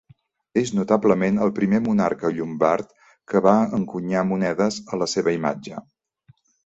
És notablement el primer monarca llombard que va encunyar monedes a la seva imatge.